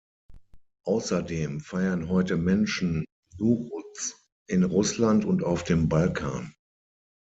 Außerdem feiern heute Menschen Nouruz in Russland und auf dem Balkan.